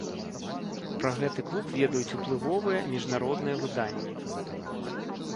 Пра гэты клуб ведаюць уплывовыя міжнародныя выданні.